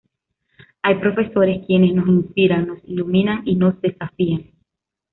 Hay profesores quienes nos inspiran, nos iluminan, y nos desafían.